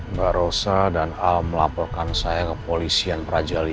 mbak rosa dan al melaporkan saya ke polisian praja v